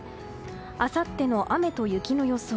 あさっての雨と雪の予想。